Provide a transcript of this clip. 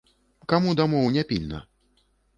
Каму дамоў не пільна?